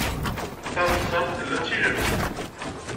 Taɣsert tella d tilemt.